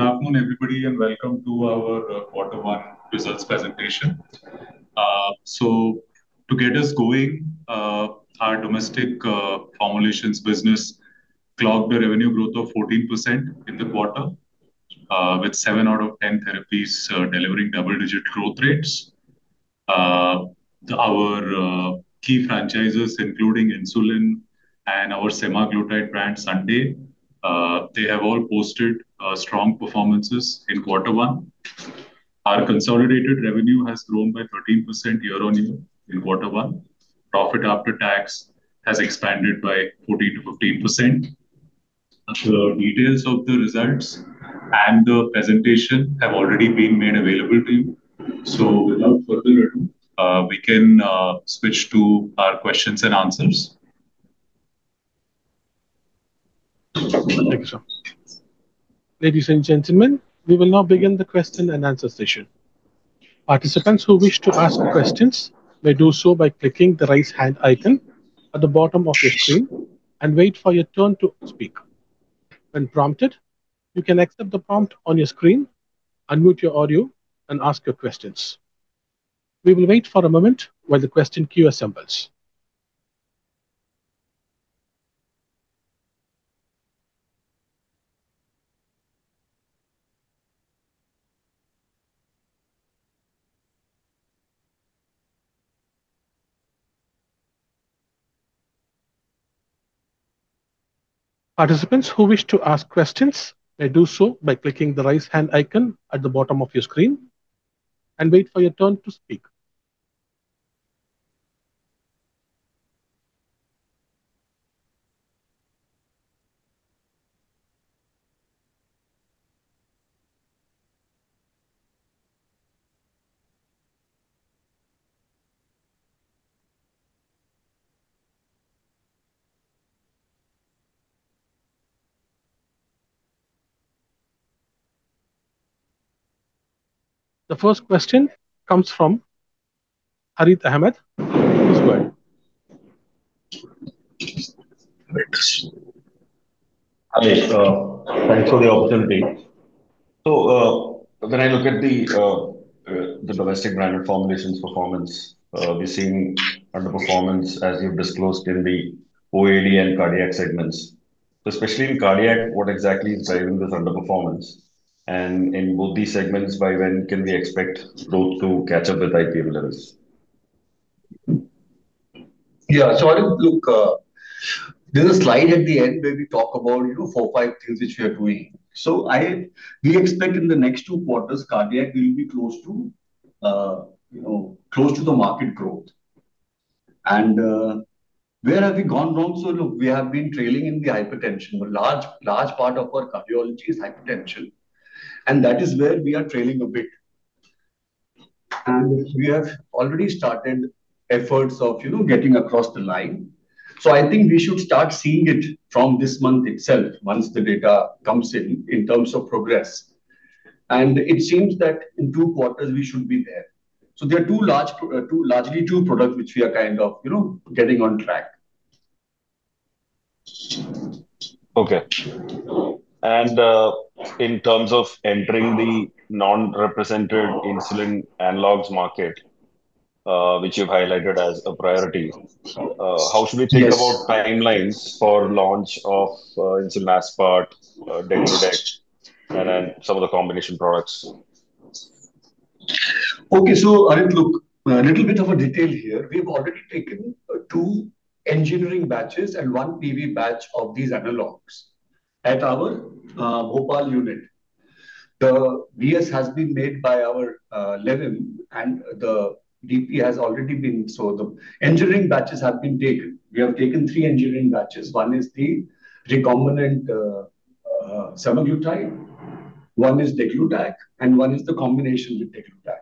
Good afternoon, everybody, and welcome to our quarter one results presentation. To get us going, our domestic formulations business clocked a revenue growth of 14% in the quarter, with seven out of 10 therapies delivering double-digit growth rates. Our key franchises, including insulin and our semaglutide brand SUNDAE, they have all posted strong performances in quarter one. Our consolidated revenue has grown by 13% year-over-year in quarter one. Profit after tax has expanded by 40%-50%. The details of the results and the presentation have already been made available to you. Without further ado, we can switch to our questions and answers. Thank you, sir. Ladies and gentlemen, we will now begin the question and answer session. Participants who wish to ask questions may do so by clicking the raise hand icon at the bottom of your screen and wait for your turn to speak. When prompted, you can accept the prompt on your screen, unmute your audio and ask your questions. We will wait for a moment while the question queue assembles. Participants who wish to ask questions may do so by clicking the raise hand icon at the bottom of your screen and wait for your turn to speak. The first question comes from Harith Ahamed, Avendus Spark. Harith, thanks for the opportunity. When I look at the domestic branded formulations performance, we're seeing underperformance as you've disclosed in the OAD and cardiac segments. Especially in cardiac, what exactly is driving this underperformance? In both these segments, by when can we expect growth to catch up with IP levels? Yeah. Harith, look, there's a slide at the end where we talk about four or five things which we are doing. We expect in the next two quarters, cardiac will be close to the market growth. Where have we gone wrong? Look, we have been trailing in the hypertension. A large part of our cardiology is hypertension, and that is where we are trailing a bit. We have already started efforts of getting across the line. I think we should start seeing it from this month itself once the data comes in terms of progress. It seems that in two quarters we should be there. They are largely two products which we are kind of getting on track. Okay. In terms of entering the non-represented insulin analogs market, which you've highlighted as a priority? Yes. How should we think about timelines for launch of insulin aspart, degludec, and some of the combination products? Okay. Harith, look, a little bit of a detail here. We've already taken two engineering batches and one PV batch of these analogs at our Bhopal unit. The DS has been made by our 11. The DP has already been taken. We have taken three engineering batches. One is the recombinant semaglutide, one is degludec, and one is the combination with degludec.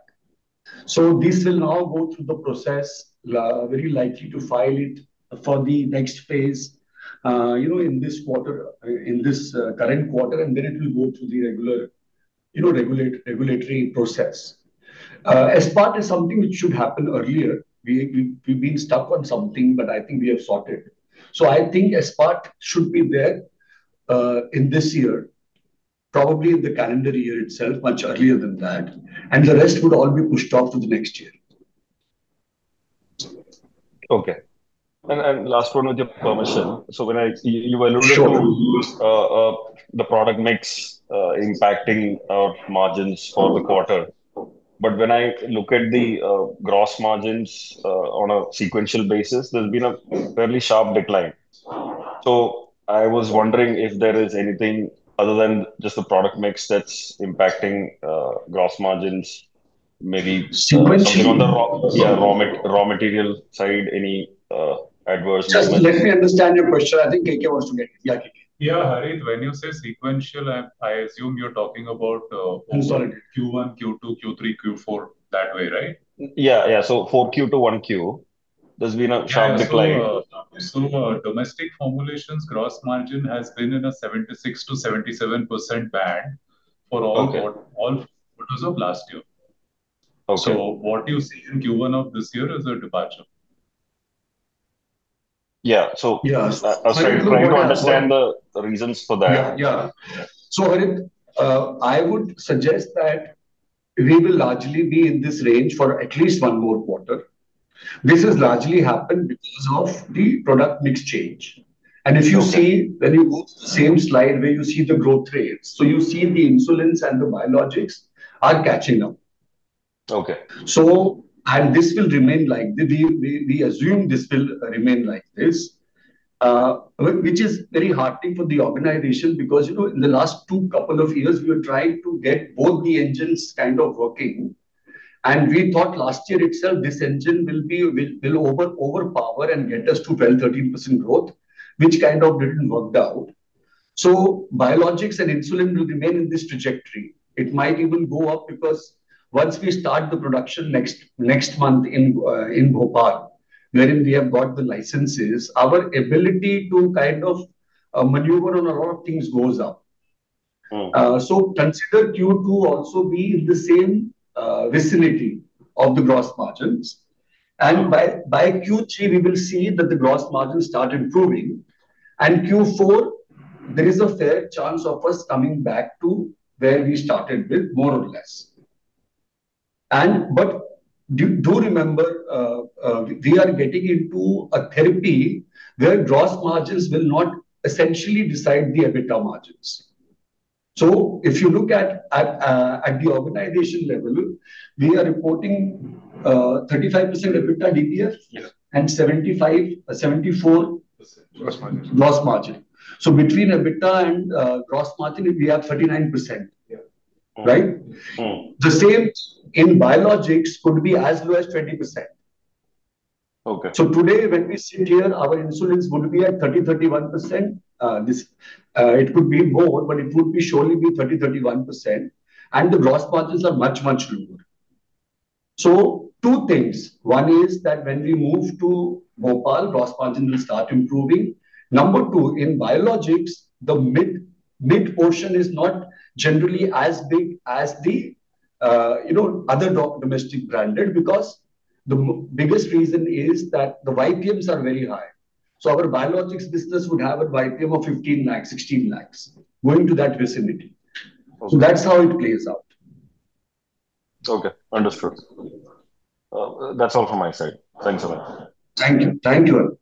This will now go through the process, very likely to file it for the next phase in this current quarter. It will then go through the regulatory process. aspart is something which should happen earlier. We've been stuck on something. I think we have sorted. I think aspart should be there in this year, probably in the calendar year itself, much earlier than that. The rest would all be pushed off to the next year. Okay. Last one with your permission. Sure. I evaluated the product mix impacting our margins for the quarter. When I look at the gross margins on a sequential basis, there's been a fairly sharp decline. I was wondering if there is anything other than just the product mix that's impacting gross margins. Sequentially? Something on the raw material side. Just let me understand your question. I think KK wants to get in. Yeah, KK. Harith, when you say sequential, I assume you're talking about. I'm sorry. Q1, Q2, Q3, Q4, that way, right? Yeah. 4Q to 1Q, there's been a sharp decline. Domestic formulations gross margin has been in a 76%-77% band for all- Okay. Quarters of last year. Okay. What you see in Q1 of this year is a departure. Yeah. Yes. I was trying to understand the reasons for that. Yeah. Harith, I would suggest that we will largely be in this range for at least one more quarter. This has largely happened because of the product mix change. If you see when you go to the same slide where you see the growth rates. You see the insulins and the biologics are catching up. Okay. We assume this will remain like this. Which is very heartening for the organization because, in the last two couple of years, we were trying to get both the engines kind of working. We thought last year itself, this engine will overpower and get us to 12%, 13% growth, which kind of didn't work out. Biologics and insulin will remain in this trajectory. It might even go up because once we start the production next month in Bhopal, wherein we have got the licenses, our ability to maneuver on a lot of things goes up. Consider Q2 also be in the same vicinity of the gross margins. By Q3, we will see that the gross margins start improving. Q4, there is a fair chance of us coming back to where we started with, more or less. Do remember, we are getting into a therapy where gross margins will not essentially decide the EBITDA margins. If you look at the organization level, we are reporting 35% EBITDA. Yeah. 74%- Gross margin Gross margin. Between EBITDA and gross margin, we have 39%. Yeah. Right? The same in biologics could be as low as 20%. Okay. Today, when we sit here, our insulins could be at 30%, 31%. It could be more, but it would be surely be 30%, 31%. The gross margins are much, much lower. Two things. One is that when we move to Bhopal, gross margin will start improving. Number two, in biologics, the mid portion is not generally as big as the other domestic branded because the biggest reason is that the YPMs are very high. Our biologics business would have a YPM of 15 lakhs, 16 lakhs. Going to that vicinity. Okay. That's how it plays out. Okay, understood. That's all from my side. Thanks a lot. Thank you.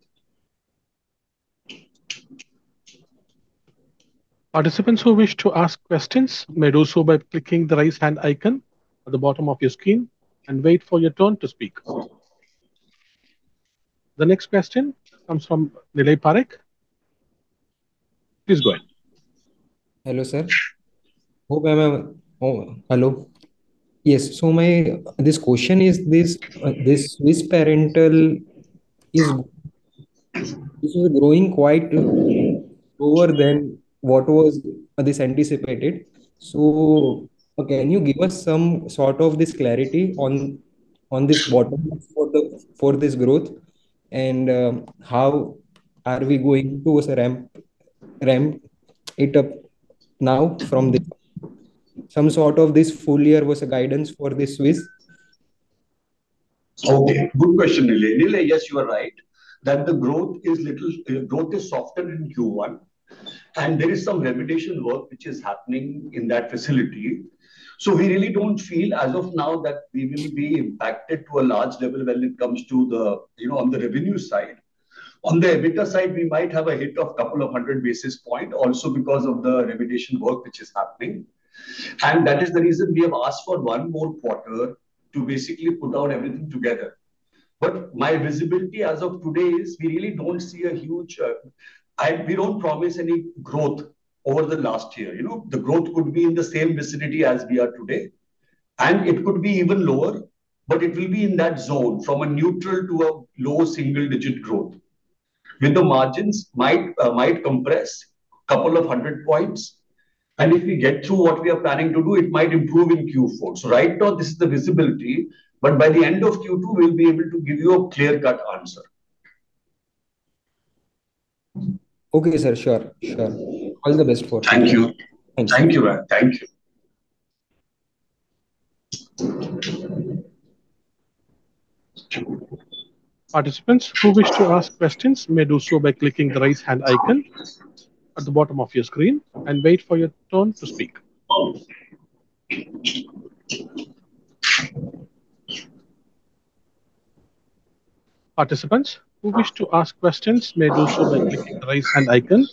Participants who wish to ask questions may do so by clicking the raise hand icon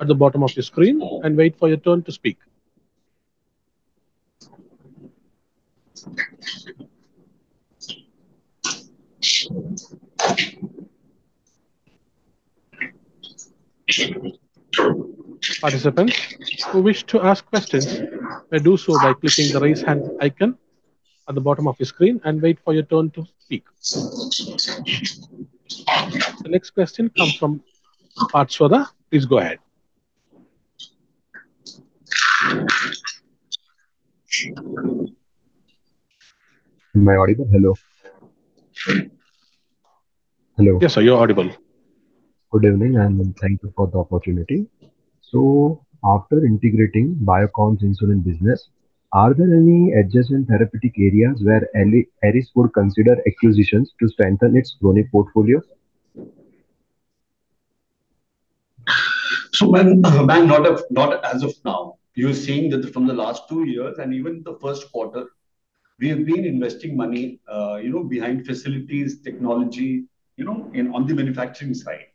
at the bottom of your screen and wait for your turn to speak. are there any adjacent therapeutic areas where Eris would consider acquisitions to strengthen its chronic portfolio? Man, not as of now. You're seeing that from the last two years and even the first quarter, we have been investing money behind facilities, technology, on the manufacturing side.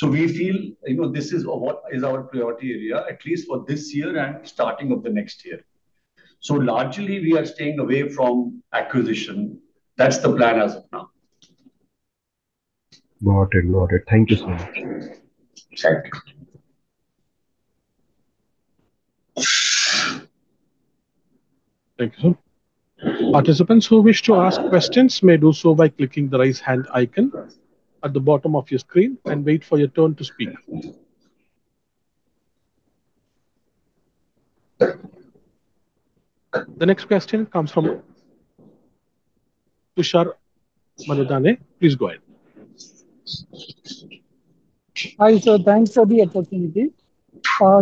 We feel this is what is our priority area, at least for this year and starting of the next year. Largely, we are staying away from acquisition. That's the plan as of now. Noted. Thank you, sir. Thank you. Thank you, sir. Participants who wish to ask questions may do so by clicking the raise hand icon at the bottom of your screen and wait for your turn to speak. The next question comes from Tushar Madani. Please go ahead. Hi, sir. Thanks for the opportunity.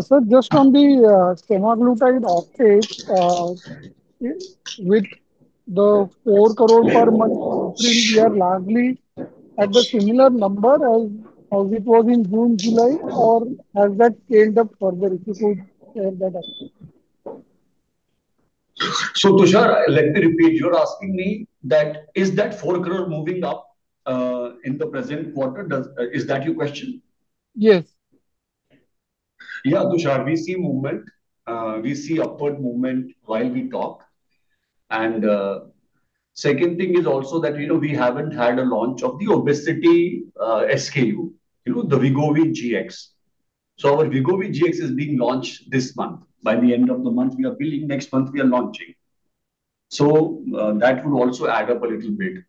Sir, just on the semaglutide update, with the 4 crore per month, we are largely at the similar number as it was in June, July, or has that scaled up further? If you could share that. Tushar, let me repeat. You're asking me that, is that 4 crore moving up, in the present quarter? Is that your question? Yes. Yeah, Tushar. We see movement. We see upward movement while we talk. Second thing is also that we haven't had a launch of the obesity SKU, the Wegovy GX. Our Wegovy GX is being launched this month. By the end of the month, we are building. Next month, we are launching. That would also add up a little bit.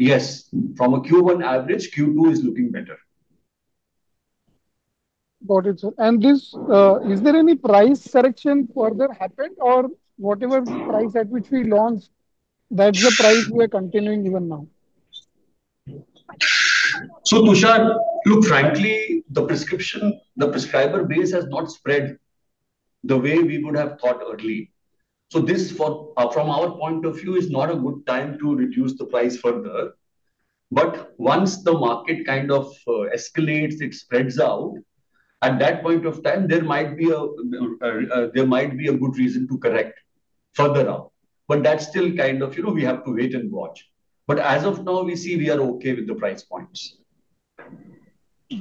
Yes, from a Q1 average, Q2 is looking better. Got it, sir. Is there any price correction further happened, or whatever price at which we launched, that's the price we are continuing even now? Tushar, look, frankly, the prescriber base has not spread the way we would have thought earlier. This, from our point of view, is not a good time to reduce the price further. Once the market kind of escalates, it spreads out, at that point of time, there might be a good reason to correct further up. That's still kind of we have to wait and watch. As of now, we see we are okay with the price points.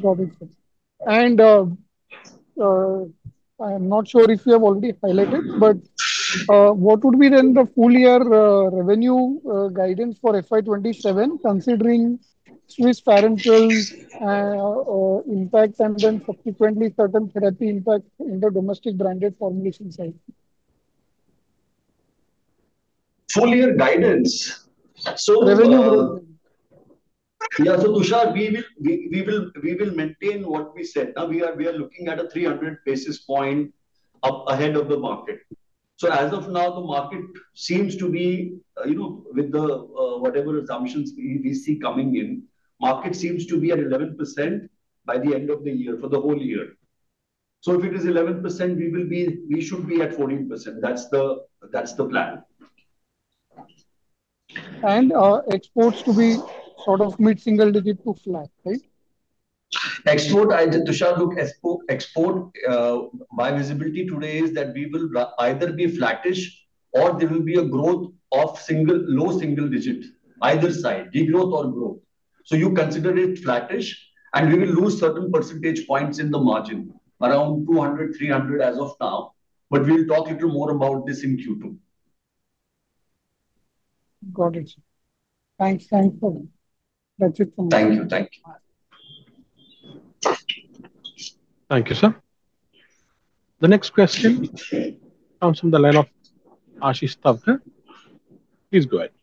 Got it, sir. I'm not sure if you have already highlighted, but what would be then the full year revenue guidance for FY 2027, considering Swiss Parenterals' impact and then subsequently certain therapy impact in the Domestic Branded Formulation side? Full year guidance. Revenue. Yeah. Tushar, we will maintain what we said. We are looking at a 300 basis point up ahead of the market. As of now, the market seems to be with whatever assumptions we see coming in, market seems to be at 11% by the end of the year, for the whole year. If it is 11%, we should be at 14%. That's the plan. Exports to be sort of mid-single digit to flat, right? Tushar, look, export, my visibility today is that we will either be flattish or there will be a growth of low single digit, either side, degrowth or growth. You consider it flattish, and we will lose certain percentage points in the margin, around 200, 300 as of now, but we'll talk little more about this in Q2. Got it, sir. Thanks for that. That's it from my side. Thank you. Thank you, sir. The next question comes from the line of Ashish Tavri. Please go ahead.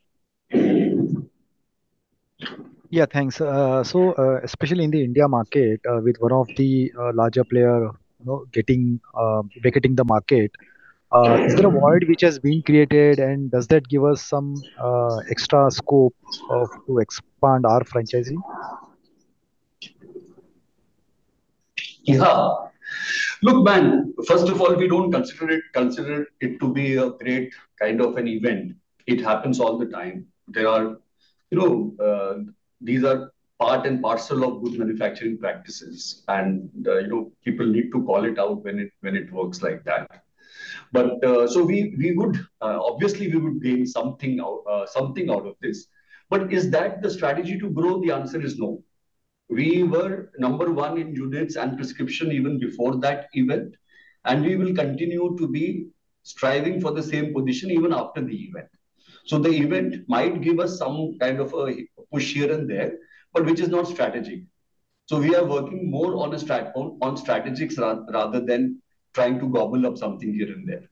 Yeah, thanks. Especially in the India market, with one of the larger player vacating the market, is there a void which has been created, and does that give us some extra scope to expand our franchisee? Yeah. Look, Man, first of all, we don't consider it to be a great kind of an event. It happens all the time. These are part and parcel of good manufacturing practices. People need to call it out when it works like that. Obviously, we would gain something out of this. Is that the strategy to grow? The answer is no. We were number one in units and prescription even before that event. We will continue to be striving for the same position even after the event. The event might give us some kind of a push here and there. Which is not strategy. We are working more on strategics rather than trying to gobble up something here and there.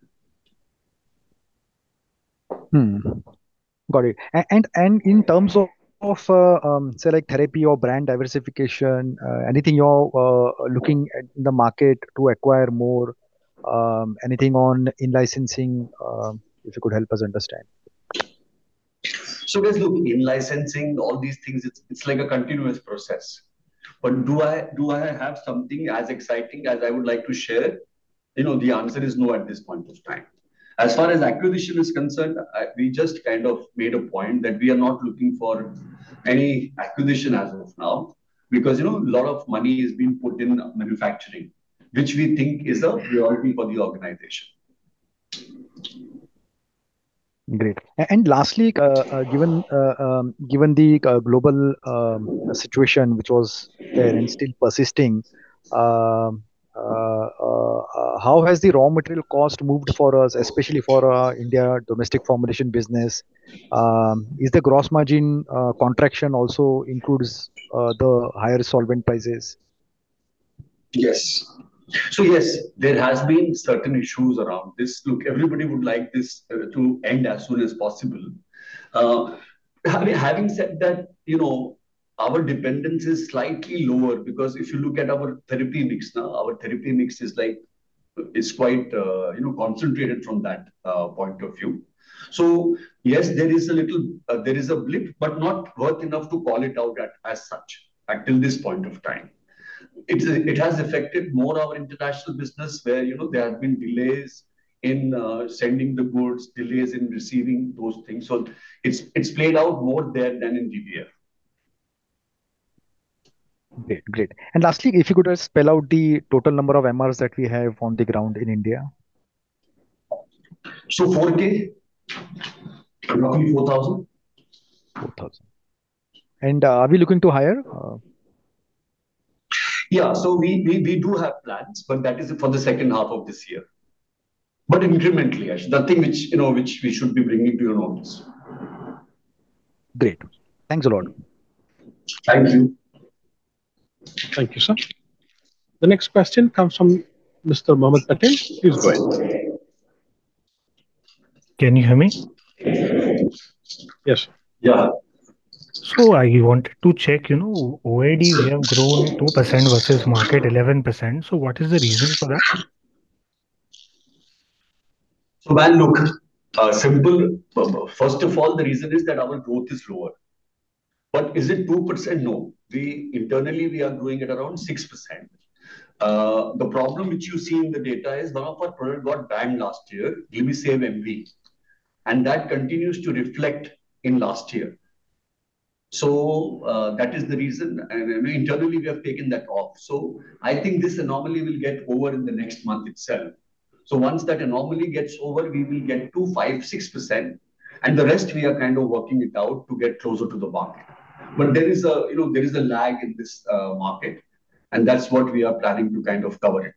Got it. In terms of, say like therapy or brand diversification, anything you're looking in the market to acquire more? Anything on in-licensing? If you could help us understand. Guys, look, in licensing all these things, it's like a continuous process. Do I have something as exciting as I would like to share? The answer is no at this point of time. As far as acquisition is concerned, we just kind of made a point that we are not looking for any acquisition as of now because a lot of money is being put in manufacturing, which we think is a priority for the organization. Great. Lastly, given the global situation, which was there and still persisting, how has the raw material cost moved for us, especially for our India domestic formulation business? Is the gross margin contraction also includes the higher solvent prices? Yes. Yes, there has been certain issues around this. Look, everybody would like this to end as soon as possible. Having said that, our dependence is slightly lower because if you look at our therapy mix now, our therapy mix is quite concentrated from that point of view. Yes, there is a blip, but not worth enough to call it out as such until this point of time. It has affected more our international business, where there have been delays in sending the goods, delays in receiving those things. It's played out more there than in DBF. Great. Lastly, if you could just spell out the total number of MRs that we have on the ground in India. 4K. Roughly 4,000. 4,000. Are we looking to hire? We do have plans, that is for the second half of this year. Incrementally, Ashish, nothing which we should be bringing to your notice. Great. Thanks a lot. Thank you. Thank you, sir. The next question comes from Mr. Mohammed Patel. Please go ahead. Can you hear me? Yes. Yeah. I wanted to check. OAD, we have grown 2% versus market 11%. What is the reason for that? Well, look, simple. First of all, the reason is that our growth is lower. Is it 2%? No. Internally, we are growing at around 6%. The problem which you see in the data is one of our product got banned last year, Glimepiride MV. That continues to reflect in last year. That is the reason. I mean, internally, we have taken that off. I think this anomaly will get over in the next month itself. Once that anomaly gets over, we will get 2%, 5%, 6%, and the rest, we are kind of working it out to get closer to the market. There is a lag in this market, and that's what we are planning to cover it.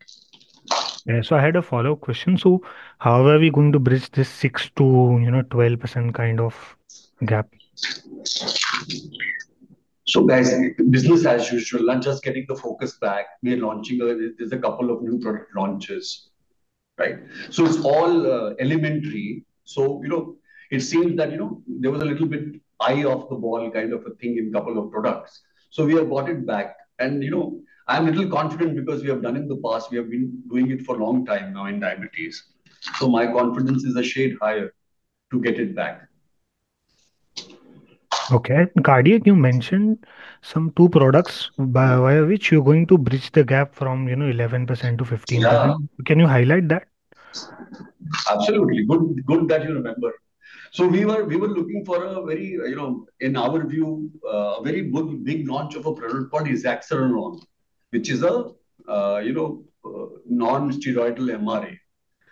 Yeah. I had a follow-up question. How are we going to bridge this 6%-12% kind of gap? guys, business as usual. I'm just getting the focus back. There's a couple of new product launches. It's all elementary. It seems that there was a little bit eye off the ball kind of a thing in couple of products. We have got it back. I'm a little confident because we have done it in the past. We have been doing it for a long time now in diabetes. My confidence is a shade higher to get it back. Okay. Cardiac, you mentioned some two products by which you're going to bridge the gap from 11%-15%. Yeah. Can you highlight that? Absolutely. Good that you remember. We were looking for, in our view, a very good, big launch of a product called Esaxerenone, which is a non-steroidal MRA.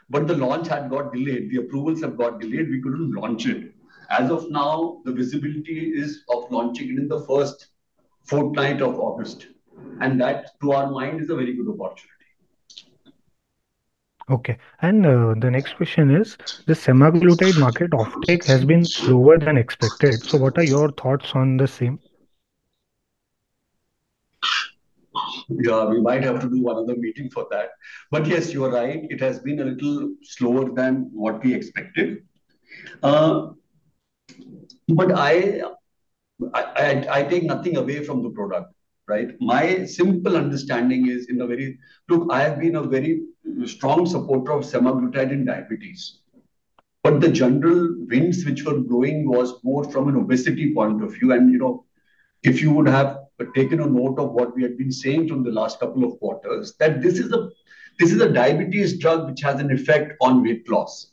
The launch had got delayed. The approvals have got delayed. We couldn't launch it. As of now, the visibility is of launching it in the first fortnight of August. That, to our mind, is a very good opportunity. Okay. The next question is, the semaglutide market offtake has been slower than expected. What are your thoughts on the same? Yeah, we might have to do another meeting for that. Yes, you are right, it has been a little slower than what we expected. I take nothing away from the product. Look, I have been a very strong supporter of semaglutide in diabetes. The general winds which were blowing was more from an obesity point of view. If you would have taken a note of what we had been saying from the last couple of quarters, that this is a diabetes drug which has an effect on weight loss.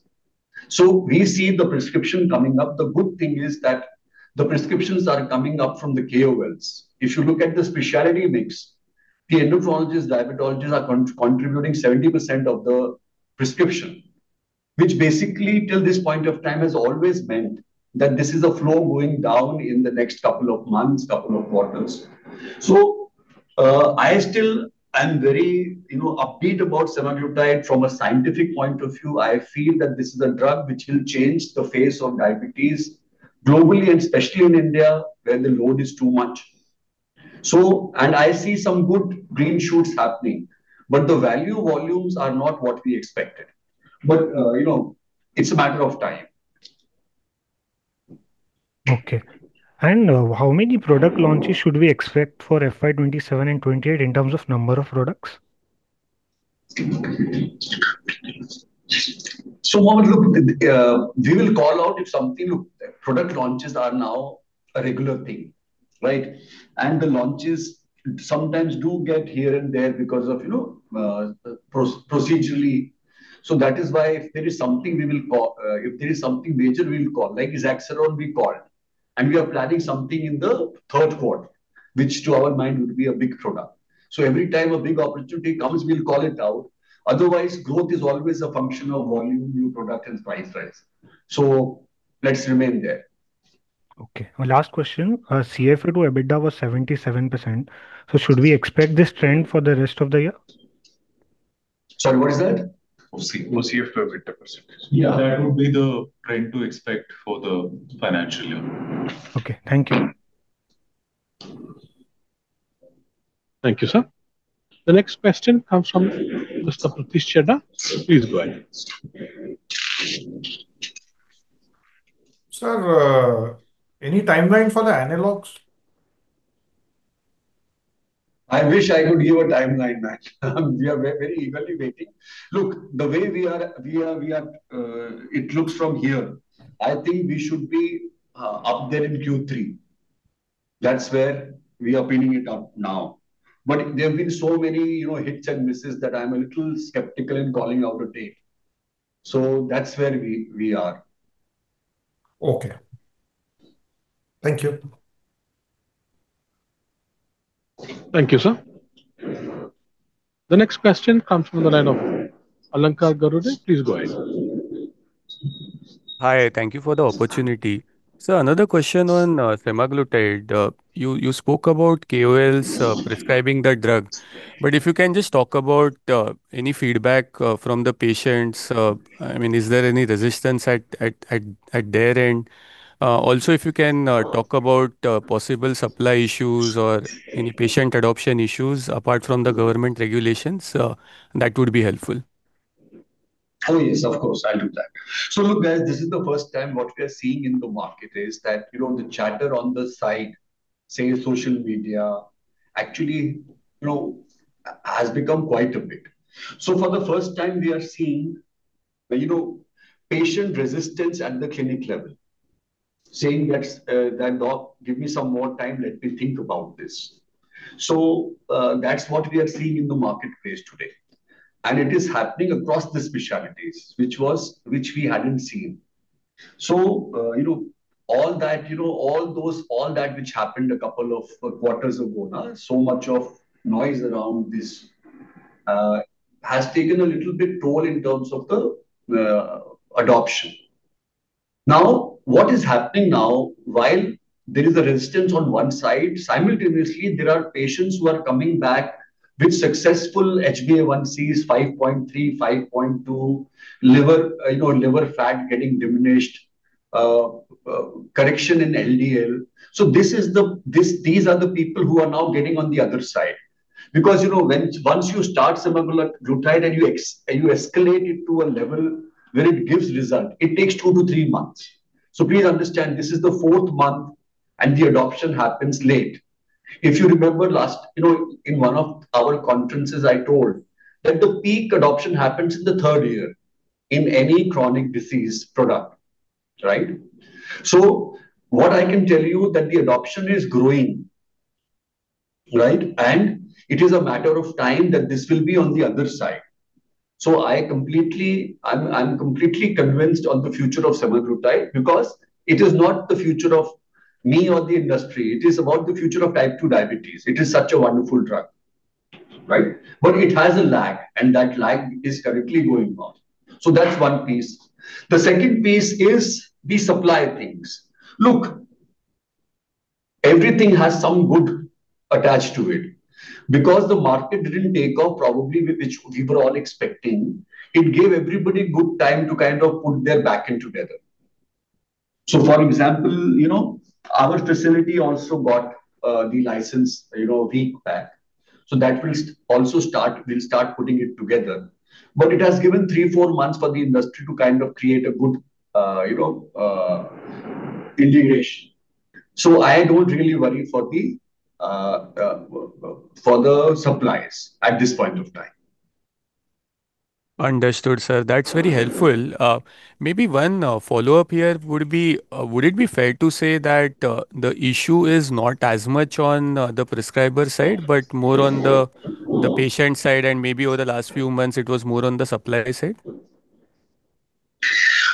We see the prescription coming up. The good thing is that the prescriptions are coming up from the KOLs. If you look at the speciality mix, the endocrinologists, diabetologists are contributing 70% of the prescription, which basically, till this point of time, has always meant that this is a flow going down in the next couple of months, couple of quarters. I still am very upbeat about semaglutide from a scientific point of view. I feel that this is a drug which will change the face of diabetes globally and especially in India, where the load is too much. I see some good green shoots happening, but the value volumes are not what we expected. It's a matter of time. Okay. How many product launches should we expect for FY 2027 and 2028 in terms of number of products? Mohammed, look, product launches are now a regular thing, right? The launches sometimes do get here and there because of, procedurally. That is why if there is something major, we'll call. Like exenatide, we called. We are planning something in the third quarter, which to our mind would be a big product. Every time a big opportunity comes, we'll call it out. Otherwise, growth is always a function of volume, new product, and price rise. Let's remain there. Okay, last question. CFO to EBITDA was 77%, should we expect this trend for the rest of the year? Sorry, what is that? CFO to EBITDA percentage. Yeah. That would be the trend to expect for the financial year. Okay. Thank you. Thank you, sir. The next question comes from Mr. Pratish Chadha. Please go ahead. Sir, any timeline for the analogs? I wish I could give a timeline, man. We are very eagerly waiting. Look, the way it looks from here, I think we should be up there in Q3. That's where we are pinning it up now. There have been so many hits and misses that I'm a little skeptical in calling out a date. That's where we are. Okay. Thank you. Thank you, sir. The next question comes from the line of Alankar Garude. Please go ahead. Hi. Thank you for the opportunity. Sir, another question on semaglutide. You spoke about KOLs prescribing the drug, if you can just talk about any feedback from the patients. Is there any resistance at their end? If you can talk about possible supply issues or any patient adoption issues apart from the government regulations, that would be helpful. Oh, yes, of course. I'll do that. Look, guys, this is the first time what we are seeing in the market is that the chatter on the side, say, social media, actually has become quite a bit. For the first time, we are seeing patient resistance at the clinic level saying, "Doc, give me some more time. Let me think about this." That's what we are seeing in the marketplace today, and it is happening across the specialties, which we hadn't seen. All that which happened a couple of quarters ago now, so much of noise around this has taken a little bit toll in terms of the adoption. Now, what is happening now, while there is a resistance on one side, simultaneously, there are patients who are coming back with successful HbA1cs, 5.3, 5.2, liver fat getting diminished, correction in LDL. These are the people who are now getting on the other side because once you start semaglutide and you escalate it to a level where it gives result, it takes two to three months. Please understand, this is the fourth month, and the adoption happens late. If you remember in one of our conferences, I told that the peak adoption happens in the third year in any chronic disease product, right? What I can tell you that the adoption is growing, right? It is a matter of time that this will be on the other side. I'm completely convinced on the future of semaglutide because it is not the future of me or the industry, it is about the future of Type 2 diabetes. It is such a wonderful drug, right? It has a lag, and that lag is currently going on. That's one piece. The second piece is the supply of things. Look, everything has some good attached to it. Because the market didn't take off probably with which we were all expecting, it gave everybody good time to kind of put their backend together. For example, our facility also got the license a week back. That we'll start putting it together. It has given three, four months for the industry to kind of create a good integration. I don't really worry for the suppliers at this point of time. Understood, sir. That's very helpful. Maybe one follow-up here would be, would it be fair to say that the issue is not as much on the prescriber side, but more on the patient side, and maybe over the last few months it was more on the supply side?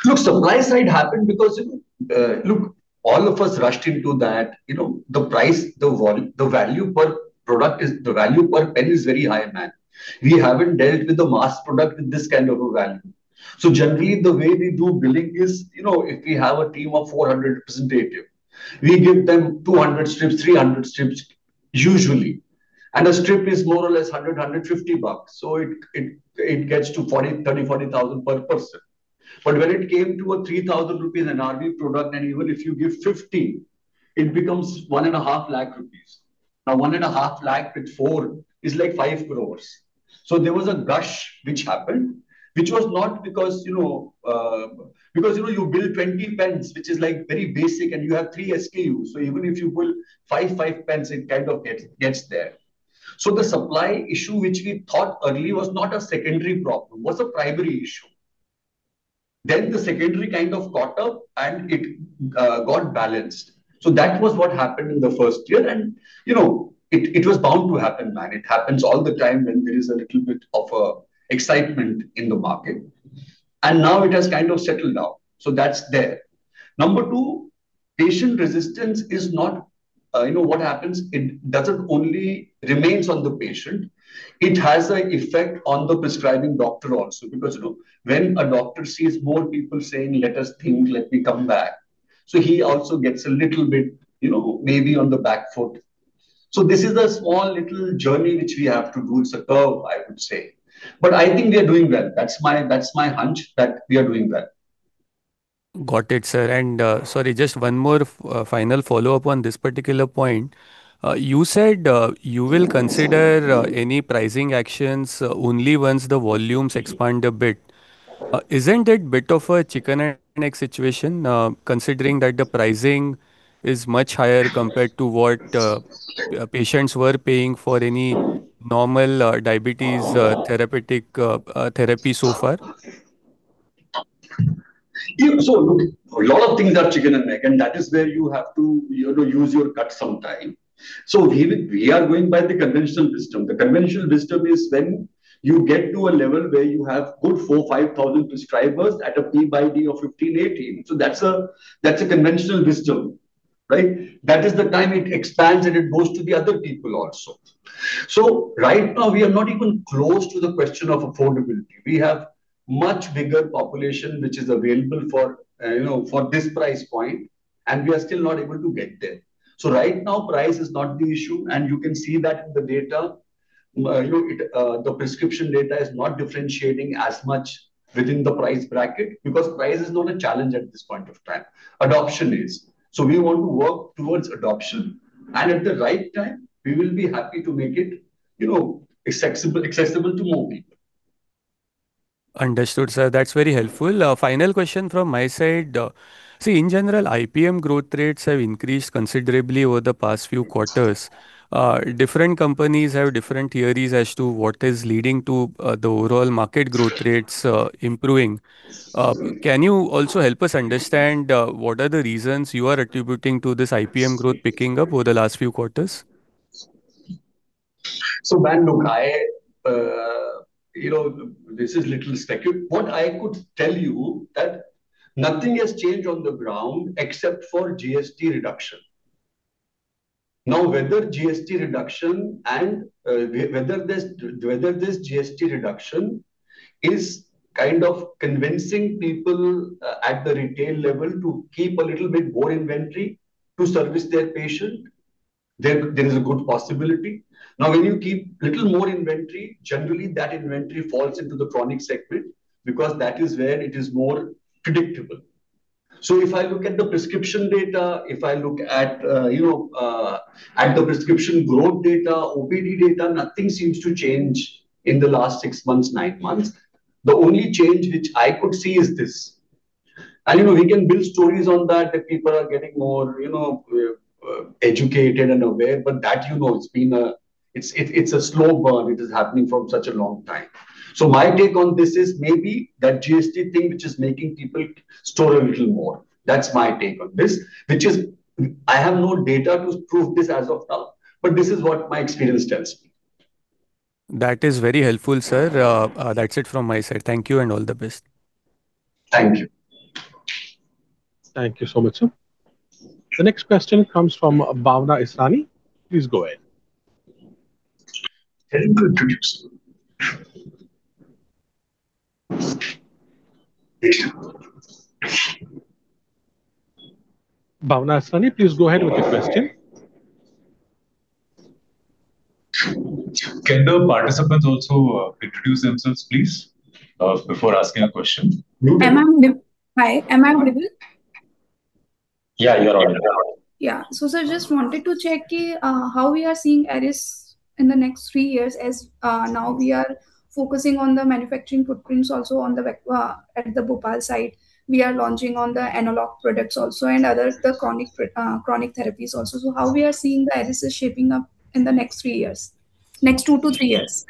Look, supply side happened because all of us rushed into that. The value per pen is very high, man. We haven't dealt with a mass product with this kind of a value. Generally, the way we do billing is, if we have a team of 400 representatives, we give them 200 strips, 300 strips usually. A strip is more or less 100, INR 150, so it gets to 30,000, 40,000 per person. When it came to a 3,000 rupees NRV product, even if you give 50, it becomes 1.5 lakh rupees. One and a half lakh with four is like 5 crore. There was a gush which happened, which was not because you build 20 pens, which is very basic, and you have three SKUs. Even if you build five pens, it kind of gets there. The supply issue, which we thought early, was not a secondary problem, was a primary issue. Then the secondary kind of caught up and it got balanced. That was what happened in the first year and it was bound to happen, man. It happens all the time when there is a little bit of excitement in the market. Now it has kind of settled down. That's there. Number two, patient resistance is not. What happens, it doesn't only remains on the patient, it has an effect on the prescribing doctor also, because when a doctor sees more people saying, "Let us think, let me come back," so he also gets a little bit, maybe on the back foot. This is a small little journey which we have to do. It's a curve, I would say. I think we are doing well. That's my hunch, that we are doing well. Got it, sir. Sorry, just one more final follow-up on this particular point. You said, you will consider any pricing actions only once the volumes expand a bit. Isn't it bit of a chicken and egg situation, considering that the pricing is much higher compared to what patients were paying for any normal diabetes therapeutic therapy so far? Look, a lot of things are chicken and egg, and that is where you have to use your gut sometime. We are going by the conventional wisdom. The conventional wisdom is when you get to a level where you have good 4,000, 5,000 prescribers at a PYD of 15, 18. That's a conventional wisdom, right? That is the time it expands, and it goes to the other people also. Right now, we are not even close to the question of affordability. We have much bigger population which is available for this price point, and we are still not able to get there. Right now, price is not the issue, and you can see that in the data. The prescription data is not differentiating as much within the price bracket because price is not a challenge at this point of time. Adoption is. We want to work towards adoption, and at the right time, we will be happy to make it accessible to more people. Understood, sir. That's very helpful. Final question from my side. In general, IPM growth rates have increased considerably over the past few quarters. Different companies have different theories as to what is leading to the overall market growth rates improving. Can you also help us understand what are the reasons you are attributing to this IPM growth picking up over the last few quarters? Man, look, what I could tell you that nothing has changed on the ground except for GST reduction. Whether this GST reduction is kind of convincing people at the retail level to keep a little bit more inventory to service their patient, there is a good possibility. When you keep little more inventory, generally that inventory falls into the chronic segment because that is where it is more predictable. If I look at the prescription data, if I look at the prescription growth data, OPD data, nothing seems to change in the last six months, nine months. The only change which I could see is this. We can build stories on that people are getting more educated and aware, but that it's a slow burn, which is happening from such a long time. My take on this is maybe that GST thing which is making people store a little more. That's my take on this. I have no data to prove this as of now, but this is what my experience tells me. That is very helpful, sir. That's it from my side. Thank you and all the best. Thank you. Thank you so much, sir. The next question comes from Bhavna Israni. Please go ahead. Can you introduce- Bhavna Israni, please go ahead with your question. Can the participants also introduce themselves, please, before asking a question? Hi. Am I audible? Yeah, you're audible now. Yeah. Sir, just wanted to check how we are seeing Eris in the next three years, as now we are focusing on the manufacturing footprints also at the Bhopal site. We are launching on the analog products also and others, the chronic therapies also. How we are seeing the Eris is shaping up in the next three years, next two to three years?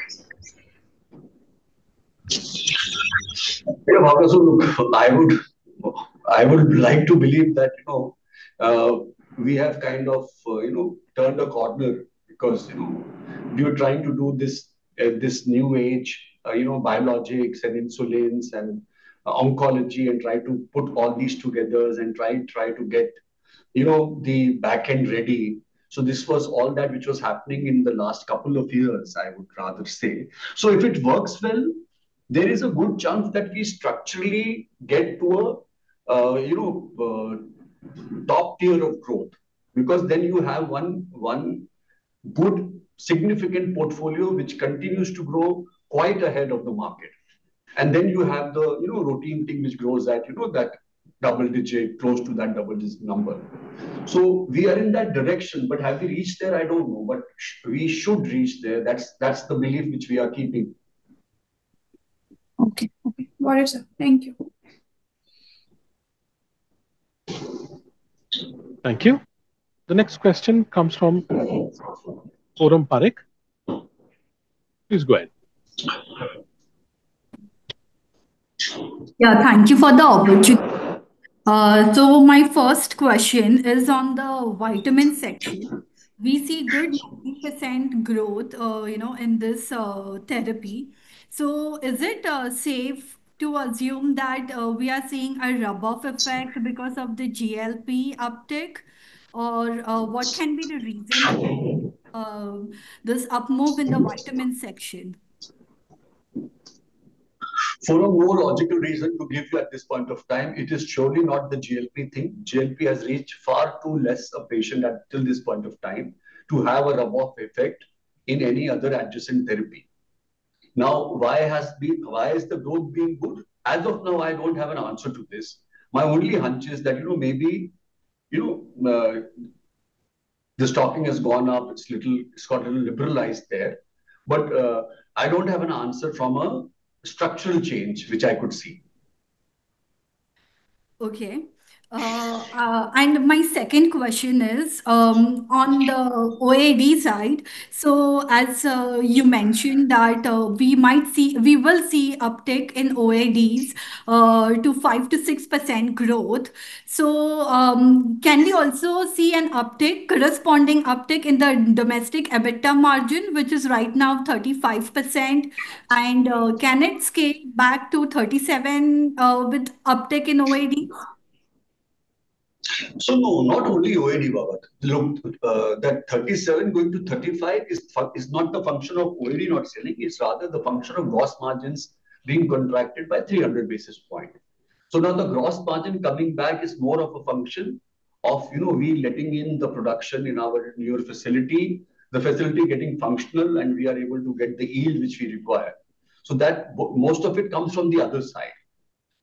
Yeah, Bhavna. Look, I would like to believe that we have kind of turned a corner because we were trying to do this new age, biologics and insulins and oncology and try to put all these together and try to get the back end ready. This was all that which was happening in the last couple of years, I would rather say. If it works well, there is a good chance that we structurally get to a top tier of growth because then you have one good significant portfolio which continues to grow quite ahead of the market. Then you have the routine thing which grows at double digit, close to that double digit number. We are in that direction. Have we reached there? I don't know. We should reach there. That's the belief which we are keeping. Okay. Got it, sir. Thank you. Thank you. The next question comes from Foram Parekh. Please go ahead. Yeah. Thank you for the opportunity. My first question is on the vitamin section. We see good percent growth in this therapy. Is it safe to assume that we are seeing a rub-off effect because of the GLP uptick? What can be the reason for this up move in the vitamin section? For a more logical reason to give you at this point of time, it is surely not the GLP thing. GLP has reached far too less a patient until this point of time to have a rub-off effect in any other adjacent therapy. Now, why is the growth being good? As of now, I don't have an answer to this. My only hunch is that, maybe, the stocking has gone up. It's got a little liberalized there. I don't have an answer from a structural change, which I could see. Okay. My second question is, on the OAD side. As you mentioned that we will see uptick in OADs to 5%-6% growth. Can we also see a corresponding uptick in the domestic EBITDA margin, which is right now 35%, and can it scale back to 37% with uptick in OAD? No, not only OAD, Bhavana. Look, that 37 going to 35 is not the function of OAD not selling. It's rather the function of gross margins being contracted by 300 basis points. Now the gross margin coming back is more of a function of we letting in the production in our newer facility, the facility getting functional, and we are able to get the yield which we require. Most of it comes from the other side.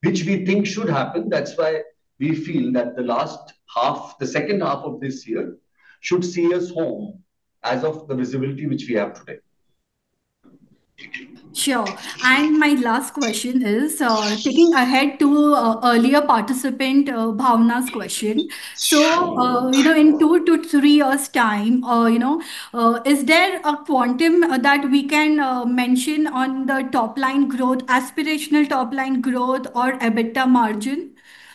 Which we think should happen. That's why we feel that the second half of this year should see us home as of the visibility which we have today. Sure. My last question is, taking ahead to earlier participant Bhavana's question. In two to three years' time, is there a quantum that we can mention on the top-line growth, aspirational top-line growth or EBITDA margin?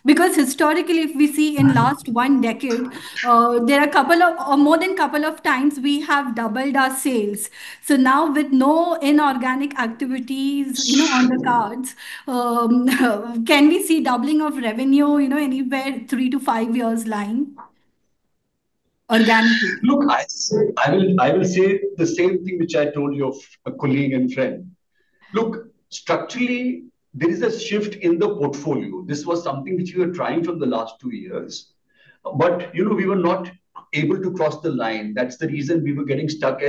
Because historically, if we see in last one decade, there are more than a couple of times we have doubled our sales. Now with no inorganic activities on the cards, can we see doubling of revenue anywhere three to five years line organically? Look, I will say the same thing which I told your colleague and friend. Look, structurally, there is a shift in the portfolio. This was something which we were trying from the last two years, but we were not able to cross the line. That's the reason we were getting stuck.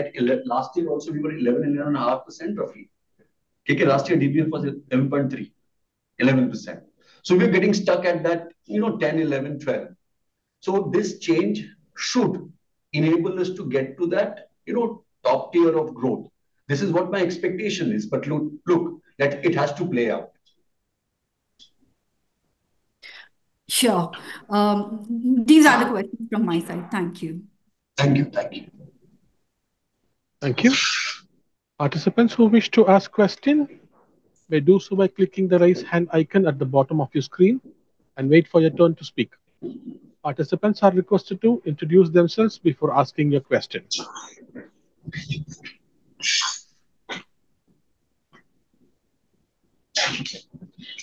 Last year also, we were 11.5% roughly. Last year DPL was at 11.3%. 11%. We were getting stuck at that, 10%, 11%, 12%. This change should enable us to get to that top tier of growth. This is what my expectation is. Look, that it has to play out. Sure. These are the questions from my side. Thank you. Thank you. Thank you. Participants who wish to ask question may do so by clicking the raise hand icon at the bottom of your screen and wait for your turn to speak. Participants are requested to introduce themselves before asking your questions.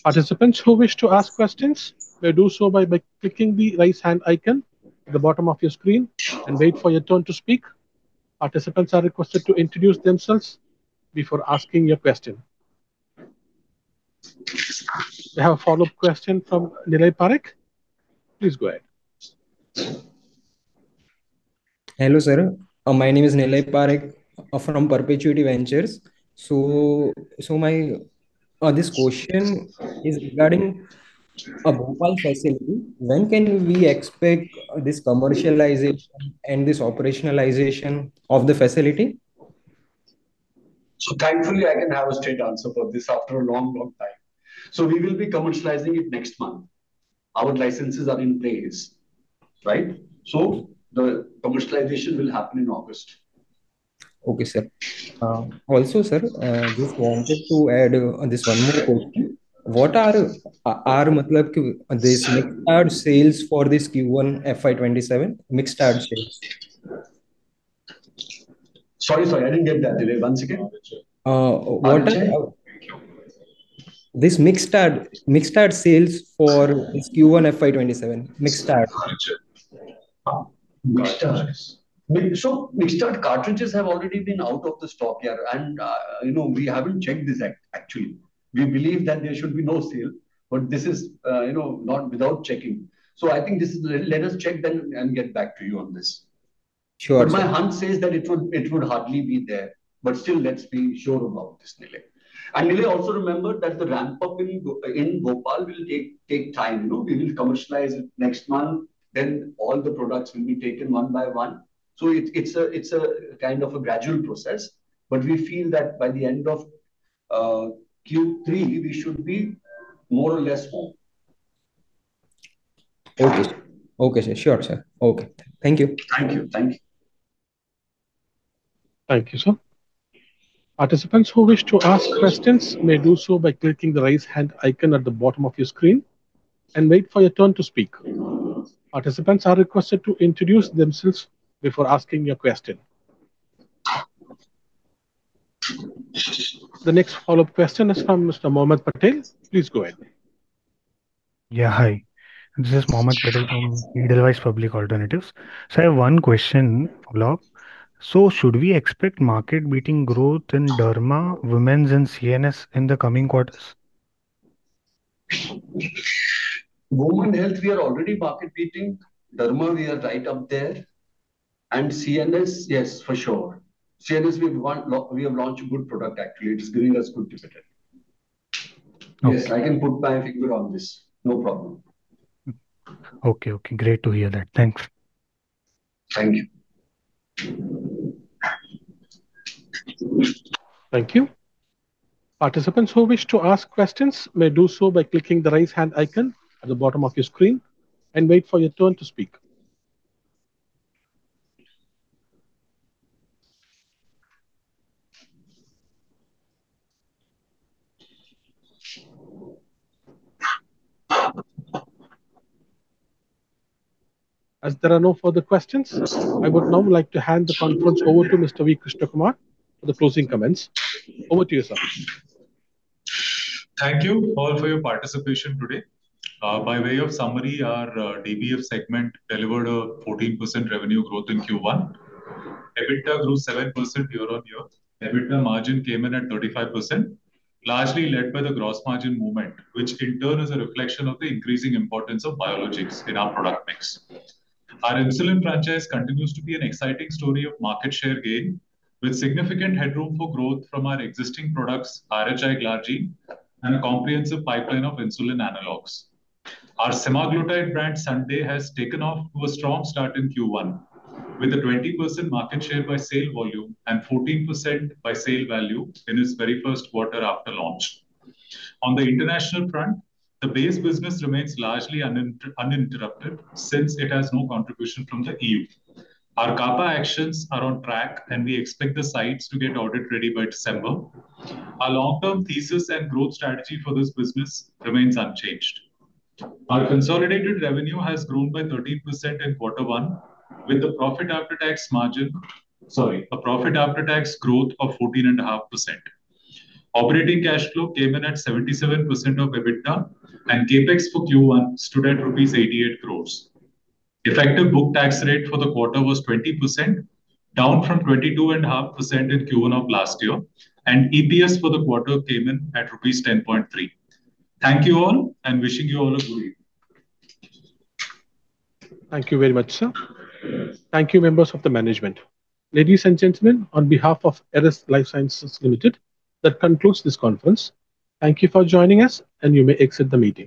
Participants who wish to ask questions may do so by clicking the raise hand icon at the bottom of your screen and wait for your turn to speak. Participants are requested to introduce themselves before asking your question. We have a follow-up question from Nilay Parekh. Please go ahead. Hello, sir. My name is Nilay Parekh from Perpetuity Ventures. My question is regarding Bhopal facility. When can we expect this commercialization and this operationalization of the facility? Thankfully, I can have a straight answer for this after a long time. We will be commercializing it next month. Our licenses are in place. Right? The commercialization will happen in August. Okay, sir. Also, sir, just wanted to add this one more question. What are our mixed sales for this Q1 FY 2027? Mixed bag sales. Sorry, I didn't get that, Nilay. One second. What? This mixed bag sales for Q1 FY 2027. Mixed bag. Mixed bag. Mixed bag cartridges have already been out of the stock. We haven't checked this actually. We believe that there should be no sale. This is without checking. I think let us check then and get back to you on this. Sure. My hunch says that it would hardly be there. Still, let's be sure about this, Nilay. Nilay, also remember that the ramp-up in Bhopal will take time. We will commercialize it next month, all the products will be taken one by one. It's a kind of a gradual process. We feel that by the end of- Q3, we should be more or less whole. Okay. Okay, sir. Sure, sir. Okay. Thank you. Thank you. Thank you, sir. Participants who wish to ask questions may do so by clicking the raise hand icon at the bottom of your screen and wait for your turn to speak. Participants are requested to introduce themselves before asking your question. The next follow-up question is from Mr. Mohammed Patel. Please go ahead. Yeah, hi. This is Mohammed Patel from Edelweiss Public Alternatives. I have one question follow-up. Should we expect market-beating growth in derma, women's and CNS in the coming quarters? Women health, we are already market-beating. Derma, we are right up there. CNS, yes, for sure. CNS, we have launched a good product, actually. It is giving us good visibility. Okay. Yes, I can put my finger on this. No problem. Okay. Great to hear that. Thanks. Thank you. Thank you. Participants who wish to ask questions may do so by clicking the raise hand icon at the bottom of your screen and wait for your turn to speak. As there are no further questions, I would now like to hand the conference over to Mr. V. Krishna Kumar for the closing comments. Over to you, sir. Thank you all for your participation today. By way of summary, our DBF segment delivered a 14% revenue growth in Q1. EBITDA grew 7% year-over-year. EBITDA margin came in at 35%, largely led by the gross margin movement, which in turn is a reflection of the increasing importance of biologics in our product mix. Our insulin franchise continues to be an exciting story of market share gain with significant headroom for growth from our existing products, RHI Glargine and a comprehensive pipeline of insulin analogs. Our semaglutide brand, SUNDAE, has taken off to a strong start in Q1 with a 20% market share by sale volume and 14% by sale value in its very first quarter after launch. On the international front, the base business remains largely uninterrupted since it has no contribution from the E.U. Our CAPA actions are on track, and we expect the sites to get audit-ready by December. Our long-term thesis and growth strategy for this business remains unchanged. Our consolidated revenue has grown by 13% in quarter one with a profit after tax growth of 14.5%. Operating cash flow came in at 77% of EBITDA, and CapEx for Q1 stood at INR 88 crores. Effective book tax rate for the quarter was 20%, down from 22.5% in Q1 of last year. EPS for the quarter came in at rupees 10.3. Thank you all and wishing you all a good evening. Thank you very much, sir. Thank you, members of the management. Ladies and gentlemen, on behalf of Eris Lifesciences Limited, that concludes this conference. Thank you for joining us, and you may exit the meeting.